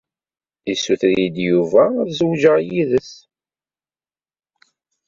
Yessuter-iyi-d Yuba ad zewǧeɣ yid-s.